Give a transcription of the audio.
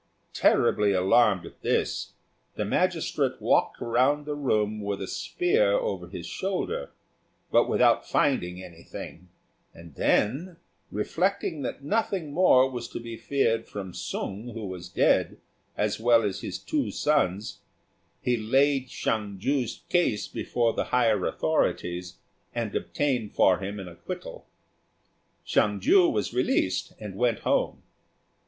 Terribly alarmed at this, the magistrate walked round the room with a spear over his shoulder, but without finding anything; and then, reflecting that nothing more was to be feared from Sung, who was dead, as well as his two sons, he laid Hsiang ju's case before the higher authorities, and obtained for him an acquittal. Hsiang ju was released and went home.